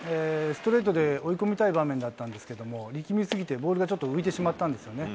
ストレートで追い込みたい場面でしたが、力みすぎてボールが浮いてしまったんですよね。